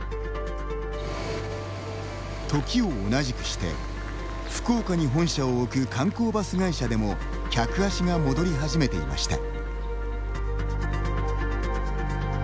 時を同じくして、福岡に本社を置く観光バス会社でも客足が戻り始めていました。